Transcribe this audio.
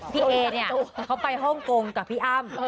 พี่เอเนี่ยเขาไปฮ่องกงกับพี่อ้ำ